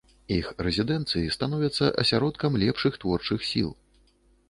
Іх рэзідэнцыі становяцца асяродкам лепшых творчых сіл.